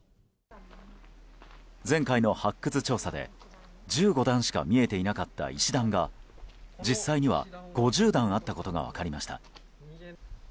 前回の発掘調査で、１５段しか見えていなかった石段が実際には５０段あったことが分かりました。